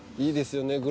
いいですよね